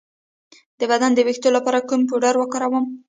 د بدن د ویښتو لپاره کوم پوډر وکاروم؟